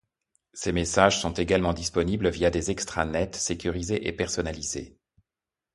Ces messages sont également disponibles via des extranets sécurisés et personnalisés.